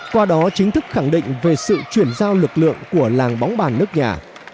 qua đó chính thức khẳng định về sự chuyển giao lực lượng của làng bóng bàn nước nhà